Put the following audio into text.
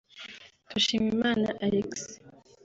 Dushiminana Alexis